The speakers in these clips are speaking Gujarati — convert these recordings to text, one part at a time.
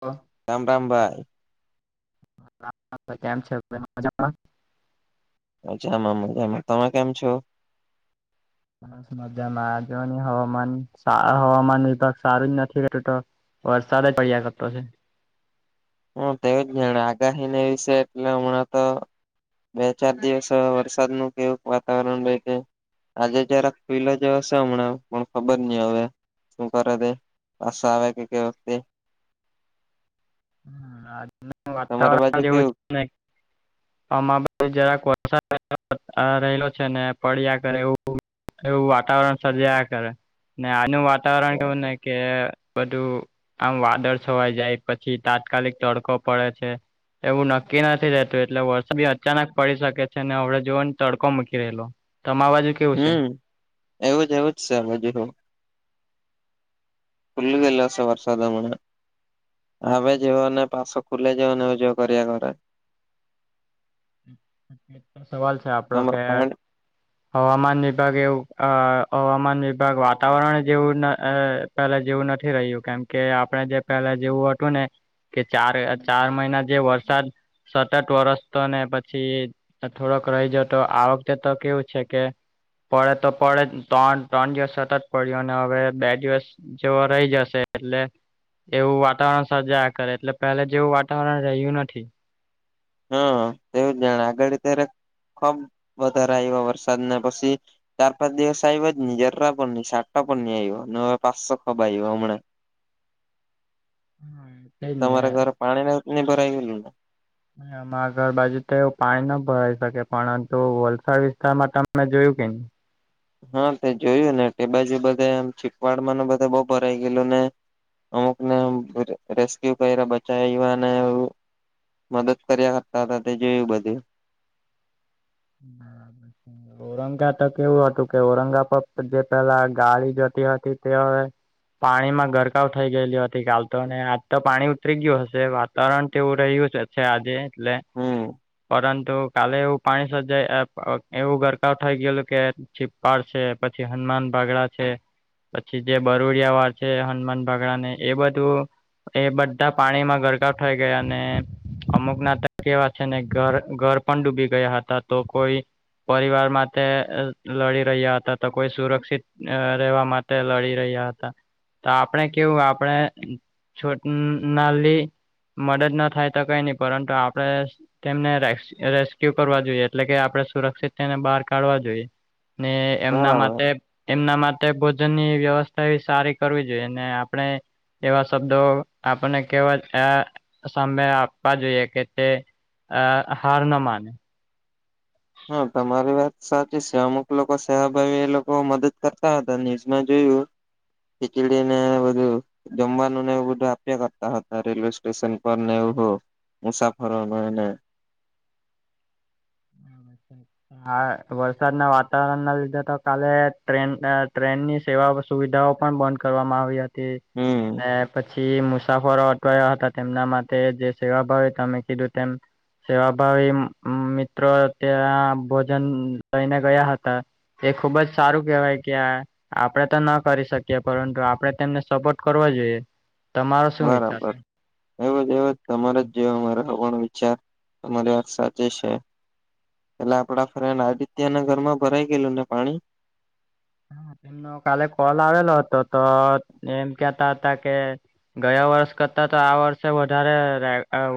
હ રામ રામ ભાઈ કેમ છે મજામાં જમ જ તમે કેમ છો મધામાં આજ હવામાન હવામાન વિભાગ સારું જ નથીત તો વરસાદા ચડી્યા કપતો છે હ તેવ જ જાણે આગાહીને એ વિશે એટલે હમણાં તો બે ચાર દિવસ વરસાદ ન કેવું વાતાવરણ રહે છે આજે જારે પુલા જે હશે હમણાં પણ ખબર નઈ હવે કર દ બસ આવે કે કે વતે હ આજ તમારી બાજુ વાતાવરણ જેવું કેવું નહી આમાં જરા કો રહેલો છે ને પડ્યા કર એવું એવું વાતાવરણ સજાયા કરે ને આનું વાતાવરણ કેવું ને કે બધું આમ વાદળ છવાઈ જાય પછી તાત્કાલિક તડકો પડે છે એવું નક્કી નથી રહેતું એટલે વરસાદ બી અચાનક પડી શકે છે ને હડે જોવા ને તડકો મૂકી રહેલો તમા બાજુ કેવું છે? હમ એવું જ એવુંજ છે બાજુું ફુલ્ ગલોશે વર્ષ મણા હવે જેને પાસ ખુલે જેવને હજવ કર ઘ એ તો સવાલ છે આપડો કે પાણી હવામાન વિભાગ એવું અ હવામાન વિભાગ વાતાવરણ જેવું પહેલા જેવું નથી રહ્યું કેમ કે આપણે જે પહેલા જેવું હતું ને કે ચાર ચાર મહિના જે વરસાદ સતત વરસ તો ને પી પછી થોડોક રહીજ તો આ વખતે તો કેવું છે કે પડે તો પડે ત્રણ ત્રણ દિવસ થતા જ પડ્યું અને હવે બે દિવસ જવાઈ જશે એટલે એવું વાતાવરણ સર્જાયા કરે એટલે પહેલા જેવું વાતાવરણ રહ્યું નથી. હા એવું જ જાણે આગળ ત્યારે ખુબ વધારે આવ્યો વરસાદ ને પછી ચાર પાંચ દિવસ આવ્યો જ નહી જરા પણ નહી સાટા પણ નહી આવ્યો હવે પાસો ખુબ આવ્યો હમણાં હા તમારા ઘરે પાણી ને એવુ ભરાય ગયેલું ને? એ આગળ બાજુ તો એવું પાણી ન ભરાઈ શકે પરંતુ વલસાડ વિસ્તારમાં તમે જોયું કેને હા તે જોયું ને બાજુ બધે આમ ચીકવાડ માન બધે બઉુ ભરાઈ ગયેલું ને અમુક ને રેસ્ક્યુ કરીને બચાવયાને મદદ કરી આપતા હતા તે જોયું બધું બરાબર ઔરંગા તો કેવું હતું કે ઔરંગા પર જે પેલા ગાડી જતી હતી તે હવે પાણી માં ગરકાવ થઈ ગયેલી હતી કાલ તો ને આજ તો પાણી ઉતરી ગયું હશે વા તાવરણ તે એવું રહ્યું જ છે આજે એટલે હમ પરંતુ કાલે એવું પાણી એવું ગરકાવ થઈ ગયેલું કે છીપાડ છે પછી હનુમાન બાગડા છે પછી જે બરોડીયા વાળ છે હનુમાન ભગડા ને એ બધું એ બધા પાણી માં ગરકા થઈ ગયા અને અમુક ના તો કેવા છે ને ઘર ઘર પણ ડૂબી ગયા હતા તો કોઈ પરિવાર માટે અ લડી રહ્યા હતા તો કોઈ સુરક્ષિત અ રહેેવા માટે લડી રહ્યા હતા. તો આપણેે કેવું આપડે છોટનાલી મદદ ન થાય તો કઈ નહી પરંતુ આપડે તેમને રેસ રેસ્ક્યુ કરવા જોઈએ. એટલે કે આપણે સુરક્ષિત થઈને બહાર કાઢવા જોઈએ ને એમના બરાબર માટે એમના માટે ભોજનની વ્યવસ્થા એ સારી કરવી જોઈએ ને આપણે એવા શબ્દો આપણને કેવા અ સામે આપવા જોઈએ કે તે. અ હાર ન માને. હા તમારી વાત સાચી છે અમુક લોકો સેવાભાવી એ લોકો મદદ કરતા હતા ન્યુઝમાં જોયું ખીચીડી ને બધું જમવાનું ને એવું બધું આપ્યા કરતા હતા રેલવે સ્ટેશન પર ને એવું હો. મુસાફરો મા એને. [unintelligible] હા વરસાદના વાતાવરણ ના લીધે તો કાલે ટેન અ ટ્રેનની સેવા સુવિધાઓ પણ બંધ કરવામાં આવી હતી હમ પછી પછી મુસાફરો અટવાયા હતા તેમના માટે જે સેવાભાવ હતા મે કીધું તેમ સેવાભાવી મિત્રો ત્યાં ભોજન લઈને ગયા હતા. એ ખુબ જ સારું કેહેવાય કે આ આપડે તો ન કરી શકીએ પરંતુ આપડે તેમને સપોર્ટ કરવો જોઈએ. તમારો શું વિચાર છે બરાબર એવો જ એવો તમારે જ જો અરો વિચાર તમારી સાચે છે એટલે આપડા ફ્રેન્ડ આદિત્ય ના ઘરમાં ભરાઈ ગયેલું ને પાણી એનો કાલે કોલ આવેલો હતો તો એમ કેતા હતા કે ગયા વર્ષ કરતા તો આ વર્ષે વધારે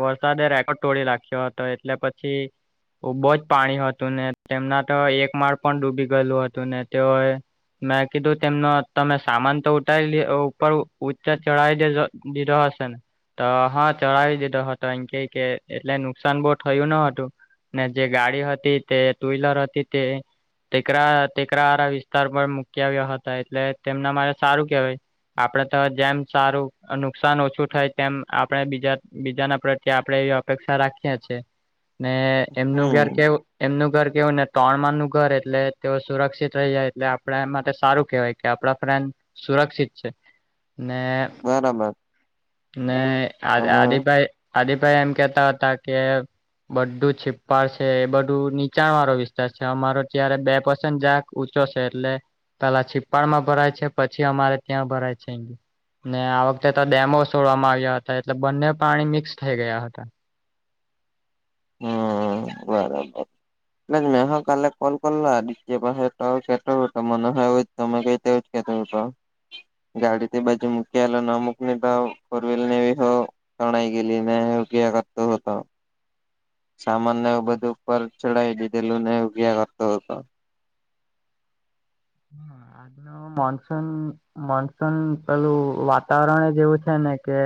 વરસાદે રેકોર્ડ તોડી નાખ્યો હતો એટલે પછી પછી ખુબ જ પાણી હતું ને તેમના તો એક માળ પણ ડૂબી ગયેલું હતું ને તેઓએ મેં કીધું તેમનો તમે સામાન તો ઉઠાવી ઉપર ઉચે ચઢાવી દે દીધો હશે ને તો હા ચડાવી દીધો હતો એ કયે કે એટલે નુકસાન બહુ થયું ન હતું. ને જે ગાડી હતી તે ટુ વ્હીલર હતી તે ટેકરા ટેકરા વિસ્તાર પર મૂકી આવ્યા હતા એટલે તેમના મારે સારું કેહેવાય આપણે તો જેમ સારું નુકસાન ઓછું થાય તેમ આપણે બીજા બીજાના કે આપણેે એવી અપેક્ષા રાખીએ છીએ ને એમનું ઘર હમ કેવું એમનું ઘર કેવું ને તણ મા નું ઘર એટલે તેઓ સુરક્ષિત રહી જાય એટલે આપણે એ માટે સારું કેહેવાય કે આપણા ફ્રેન્ડ સુરક્ષિત છે. ના બરાબર તમે આભાઈ આદી ભાઈ એમ કેતા હતા કે બધું છીપાડ છે એ બધું નીચાણ વાળો વિસ્તાર છે અમારો ત્યારે બે પસંદ જક એટલે પેલા છીપ્પાડમાં ભરાય છે પછી અમારે ત્યાં ભરાય છે. ને આ વખતે તો ડેમો છોડવામાં આવ્યા હતા એટલે બંને પાણી મિક્સ થઈ ગયા હતા. હમ્મ બરાબર એટલે મે હ કાલે કોલ કરલો દ પાસે તો કેટ મ તમે કઈ તેજ કેતો. ગાડી થી બાજુ મૂકીલા ના મૂકને તો ફોર વ્હીલર નેી હો તણાઈ ગેલી એ ક કર તો હો હતો. સામાનને બધું ઉપર ચડાવી દીધેલું ને ઉંઘ્યાં કરતો હતો. હા મોનસૂન મોનસૂન પેલું વાતાવરણ જ એવું છે ને કે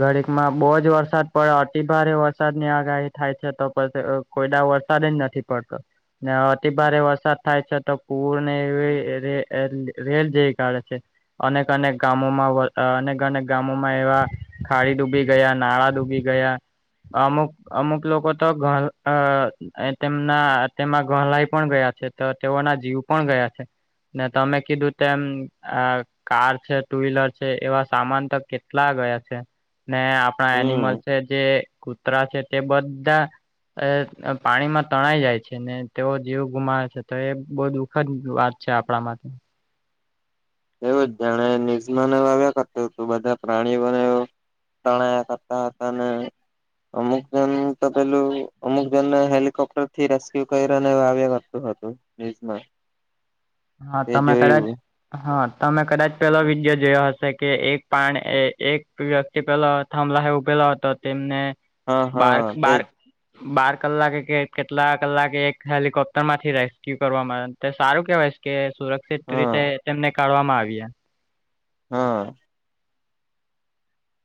ઘડીકમાં બહુ જ વરસાદ પડે અતિભારે વરસાદ ની આગાહી થાય છે તો પછી કોઈદા વરસાદ જ નથી પડતો ને અતિભારે વરસાદ થાય છે તો પૂ એ રેલ જેવી ગાડે છે. અનેક અનેક ગામોમાં અનેક અનેક ગામોમાં એવા ખાડી ડૂબી ગયા નાળા ડૂબી ગયા અમુક અમુક લોકો તો ઘ એ તેમના તેમાં ગહલાઈ પણ ગયા છે તો તેઓના જીવ પણ ગયા છે. ને તમે કીધું તેમ કાર છે ટુ વ્હીલર છે એવા સામાન તો કે કેટલા ગયા છે ને આપણા એનિમલ હમ્મ છે જે કૂતરા છે તે બધા અ પાણીમાં તણાઈ જાય છે ને તેઓ જીવ ગુમાવે છે તો એ બહુ દખ ખરી વાત છે આપણા માટે એવું જ જાણે નિઝમા આવ્યા કરત તું બધા પ્રાણીઓને તણ કરતા હતા અને અમુક જન તો પેલું અમુક જનને હેલિકોપ્ટર થી રેસ્ક્યુ કરીને વા આવ્ય કરતું હતું. એજમાં હા તમે કદાચ હા તમે કદાચ પેલો વિડીયો જોયો હશે કે એક પાણ એ એક પેલા થંભલા હ ઉભેલો હતો તેમને હા બાર હા બાર તેજ બાર કલાકે કે કેટલા કલાકે એક હેલિકોપ્ટર માંથી રેસ્ક્યુ કરવા આવે તે સારું કેવાય. કે સુરક્ષિત હા રીતે તેમને કાઢવામાં આવી્યા. હા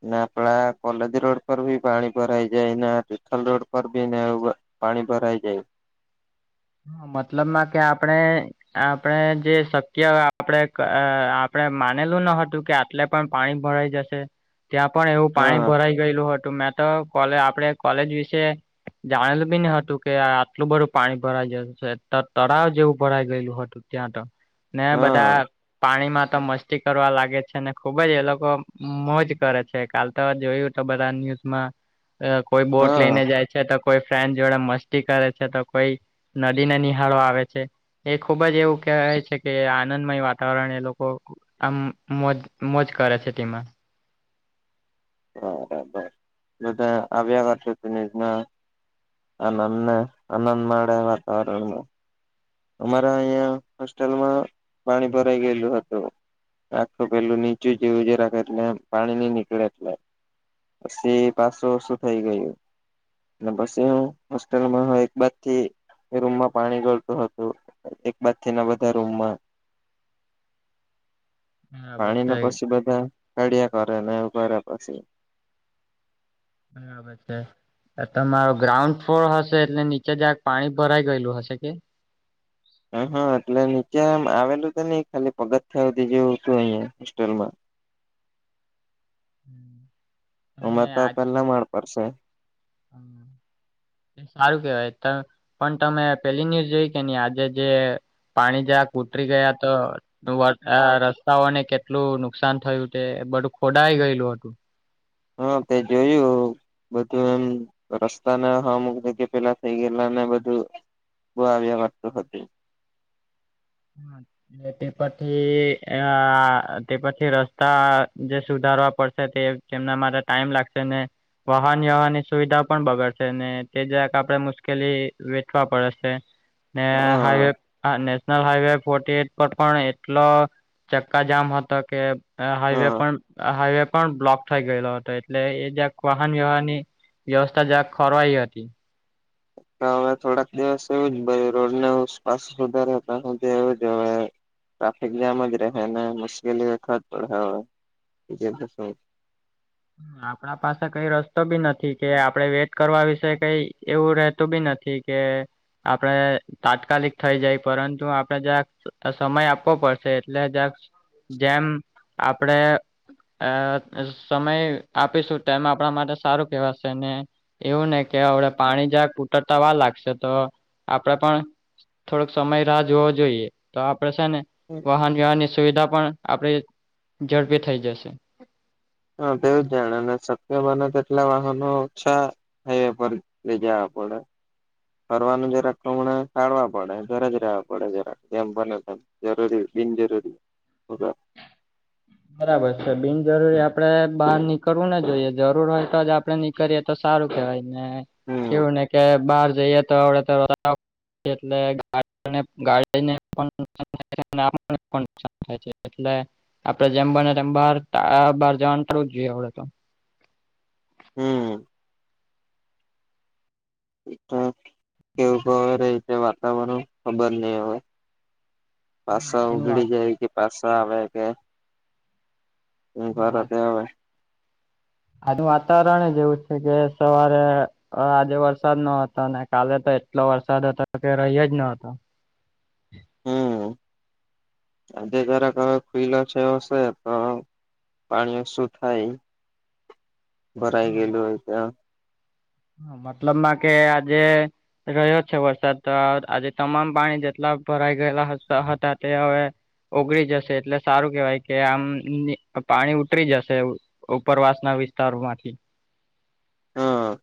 ના પડા કોલેજ રોડ પર ભી પાણી ભરાઈ જાય ના ટલ રોડ પરી ના પાણી ભરાય જાય. હા મતલબમાં કે આપણે. આપણે જે શક્ય આપણે આપણેે માનેલું ન હતું કે એટલે પણ પાણી ભરાઈ જશે ત્યાં પણ એવું પાણી હા ભરાઈ ગયેલું હતું મેં તો આપડે કોલેજ વિશે જાણેલું બી ન હતું કે આટલું બધું પાણી ભરાઈ જ તળાવ જેવું ભરાઈ ગયેું હતું ત્યાં તો. ને બધા હા પાણીમાં તો મસ્ત કરવા લાગે છે અનેને ખુબ જ એ લોકો મોજ કરે છે કાલ તો જોયું તો બધા ન્યૂઝમાં અ કોઈ બોટ હા લઈને જાય છે તો કોઈ ફ્રેન્ડ જોડે મસ્તી કરે છે તો કોઈ નદીને નિહાળો આવે છે. એ ખુબ જ એવું કવાય છે કે આનંદમય વાતાવરણ એ લોકો આમ મોજ મોજ કરે છે તેમાં. બરાબર બધા આવ્યા વર્ષોનીઝમાં આ નંદ આ નંદ મળે વાતાવરણ અમારા અહિયાં હોસ્ટેલમાં પાણી ભરાઈ ગયેલું હતું રાખો પેલું નીચું જેવું જે રાખે એટલે પાણી નઈ નીકળે એટલે પછી પાચસો વર્ષું થઈ ગયું અને પછી હું હોસ્ટેલમાં એક બાદ થી રૂમમાં પાણી ગળતો હતો તો એક બાદ થના બધા રૂમમાં બરાબર પાણી છે ના પછી બધા કાઢ્યા કરે ને કરે પછી બબ છે તમારો ગ્રાઉન્ડ ફ્લોર હશે એટલે નીચે જક પાણી ભરાઈ ગયેલું હશે કે હા હા એટલે નીચે આમ આવેલું તો નહ ખાલી પગથ થયા જેવું હતું અહિયાં હોસ્ટલમાં [inaudible] અમામે તમે તો પેલા માળ પરશે હ એ સારું કેવાય તમે પણ તમે પેલી ન્યુઝ જોઈ કે નહી આજે જે પાણી જરાક ઉતરી ગયા તો રસ્તાઓને કેટલું નુકસાન થયું તે બધું ખોડાઈ ગયેલું હતું હા તે જોયું બધું એમ રસ્તાને હવા મક કે પેલા થઈ ગયેલા ને બધું બોવાવ કરત હોતે હા તે પછી અ તે પછી રસ્તા જે સુધારવા પડશે તે કે એમના મારે ટાઈમ લાગશે ને વાહન વ્યવહનની સુવિધા પણ બગડ છે તે જાયક આપડે મુશ્કેલી વેઠવા પડેશે ને હા હાઈવેને ફોર્ એટ પર પણ એટલો ચક્કાજામ હતો કે હાઈવે હા પણ હાઈવે પણ બ્લોક થાઈ ગયેલો હતો એટલે એ જ્યાંક વાહન વ્યવહાર ની વ્યવસ્થા જ્યાં ખોવાઈ હતી હવે થોડાક દિવસ એવું જ રોડનેપસ વધારે હતાધી એવું જ હવે ટ્રાફિક જામ જ રહે ને મુશ્કેલી વખત પડે હોય આપડા પાસે કઈ રસ્તો બી નથી કે આપડે વેટ કરવા વિશે કઈ એવું રતું બી નથી કે આપડે તાત્કાલિક થઈ જાય પરંતુ આપણે જ્યાક સમય આપવો પડશે એટલે જ્યાક જેમ આપડે અ સમય આપીશું ટમ આપણા માટે સારું કેવાશે ને એવું ને કે હડ પાણી જં કુતરતા વા લાગશે તો આપડે પણ થોડોક સમય રાહ જોવો જોઈએ તો આપડે છે ને વાહન વ્યહનની સુવિધા પણ આપડે ઝડપી થઈ જશે હા તેવું જ જાણેને શક્ય બને તેટલા વાહનો છા હાઈવે પર લઈ જવા પડે ફરવાનું જરાક હમણે ટાઢવા પડે ઘરે જ રહેવા પડે જરા જેમ બને જરૂરી બિન જરૂરી હ [unintelligible] બરાબર છે બિનજરૂરી આપડે બહાર નીકળવું નને જોઈએ જરૂર હોય તો જ આપડે નીકળીએ તો સારું કેવાય ને હમ કેવું ને કે બહાર જઈએ તો આવડે તો [unintelligible] એટલે ગાડીને પણાન થાન થાય છે એટ [unintelligible] આપડે જેમ બને તેમ બાર બહાર જવાનું પું જ જોઈએડે તો હમ્મ કેવું ક રતે વાતાવરણ ખબર નહ હવે પાસા આનું વાત ઉગડી જાય કે પાસા આવે કે હ બરા ત હવાવે આજ વાતાવરણ જે એવું છે કે સવારે અ આજે વરસાદ ન હતો ને કાલે તો એટલો વરસાદ હતો કે રહી જ નતો હમ આજે જરાક હવે ફિલો છે હશે તો પાણીઓ શું થાય ભરાય ગયેલું હોય ત્યાં મતલબમાં કે આજે રહ્યો છે વરસાદ તો આજે તમામ પાણી જેટલા ભરાઈ ગયેલા હતા તે હવે ઓગળી જશે એટલે સારું કેવાય કે આમ પાણી ઉતરી જશે ઉપરવાસ ના વિસ્તારોમાંથી હા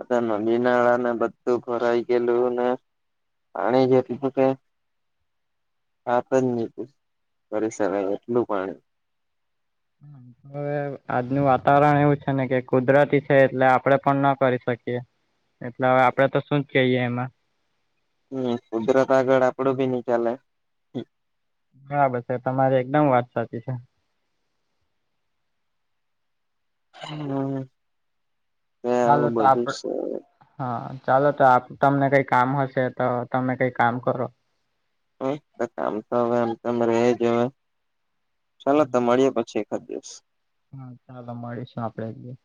અત્યારે નદીનાળા ને બધું ભરાઈ ગયેલું ને અણે જે કીધું કે વાત જ ની કરીશ એટલું પાણી હા હવે આજનું વાતાવરણ એવું છે ને કે કુદરતી છે એટલે આપડે પણ ના કરી શકીએ એટલે હવે આપડે તો શું જ કહીયે એમાં હમ કુદરત આગળ આપડું બી ની ચાલે હા બસ તે તમારી એકદમ વાત સાચી છે. હમ હાલો તો આપડ હા ચાલો તો આપ તમને કઈ કામ હશે તો તમે કઈ કામ કરો. કામ તો હવે આમ તેમ રહેજવા ચાલો તો મળીએ પછી એકાદ દિવસ. હા ચાલો મળીશું આપડે એક દિવસ.